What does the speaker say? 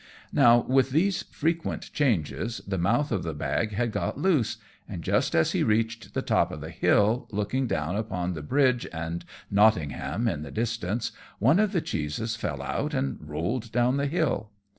Now with these frequent changes the mouth of the bag had got loose, and just as he reached the top of the hill, looking down upon the bridge and Nottingham in the distance, one of the cheeses fell out and rolled down the hill.